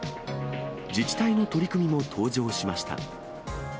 自治体の取り組みも登場しました。